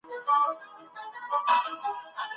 وروسته پاته والی به له منځه ولاړ سي.